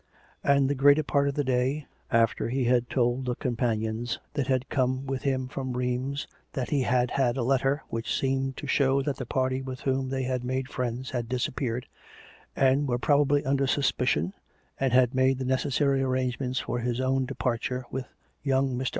And the greater part of the day — after he had told the companions that had come with him from Rheims that he had had a letter, which seemed to show that the party with whom they had made friends had disappeared, and were probably under suspicion, and had made the neces sary arrangements for his own departure with young ]\Ir.